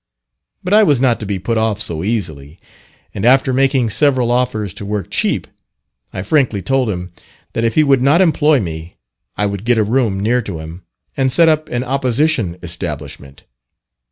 But I was not to be put off so easily, and after making several offers to work cheap, I frankly told him, that if he would not employ me I would get a room near to him, and set up an opposition establishment.